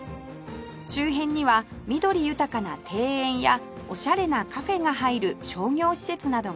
周辺には緑豊かな庭園やオシャレなカフェが入る商業施設などが充実